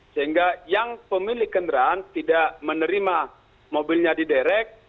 sehingga yang pemilik kendaraan tidak menerima mobilnya diderek